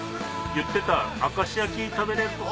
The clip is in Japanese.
言ってた明石焼き食べれるとこ。